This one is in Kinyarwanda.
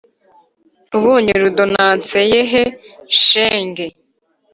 ubonye rudonanse ye he shenge